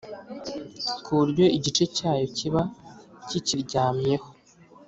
ku buryo igice cyayo kiba kikiryamyeho